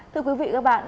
thưa quý vị các bạn